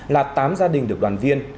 là tám gia đình được đoàn viên